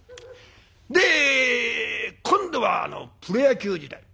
で今度はプロ野球時代。